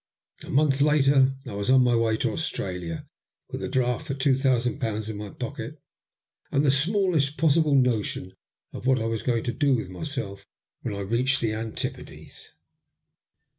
A month later I was on my way to Australia with a draft for two thousand pounds in my pocket, and the smallest possible notion of what I was going to do with myself when I reached the Antipodes.